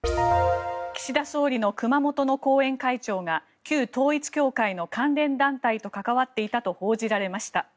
岸田総理の熊本の後援会長が旧統一教会の関連団体と関わっていたと報じられました。